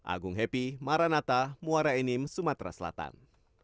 agung happy maranata muara enim sumatera selatan